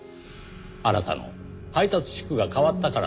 あなたの配達地区が変わったからです。